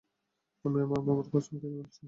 আমি আমার মামার কসম খেয়ে বলছি।